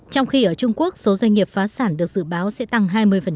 trong khi ở trung quốc số doanh nghiệp phá sản được dự báo sẽ tăng hai mươi